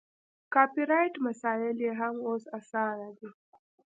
کاپي رایټ مسایل یې هم اوس اسانه دي.